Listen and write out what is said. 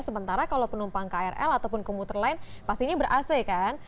sementara kalau penumpang krl ataupun komuter lain pastinya ber ac kan